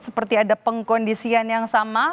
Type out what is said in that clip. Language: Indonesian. seperti ada pengkondisian yang sama